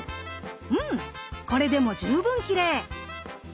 うんこれでも十分きれい！